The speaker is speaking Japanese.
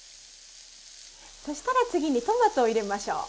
そしたら次にトマトを入れましょう。